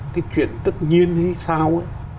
cái chuyện tất nhiên hay sao